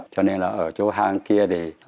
cho nên là ở chỗ hang kia thì